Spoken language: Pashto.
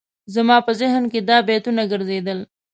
زما په ذهن کې دا بیتونه ګرځېدل.